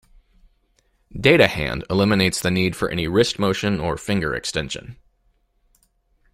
DataHand eliminates the need for any wrist motion or finger extension.